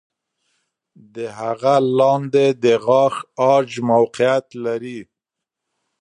د هغه لاندې د غاښ عاج موقعیت لري.